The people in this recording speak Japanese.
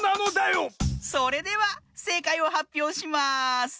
それではせいかいをはっぴょうします。